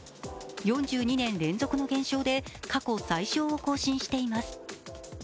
４２年連続の減少で過去最少を更新しています。